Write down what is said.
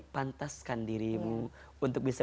pantaskan dirimu untuk bisa